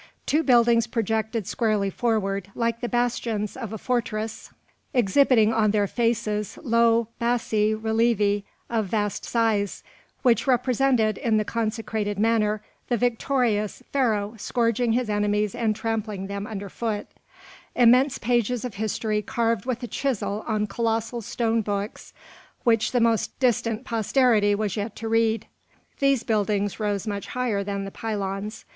Two buildings projected squarely forward, like the bastions of a fortress, exhibiting on their faces low bassi relievi of vast size, which represented, in the consecrated manner, the victorious Pharaoh scourging his enemies and trampling them under foot; immense pages of history carved with a chisel on colossal stone books which the most distant posterity was yet to read. These buildings rose much higher than the pylons.